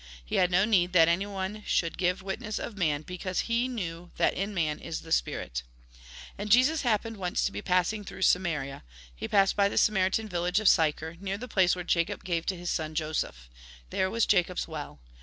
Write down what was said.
He had no need that anyone should give witness of man, because he knew that in man is the spirit. And Jesus happened once to be passing through Samaria. He passed by the Samaritan village of Sychar, near the place which Jacob gave to his son Joseph. There was Jacob's well.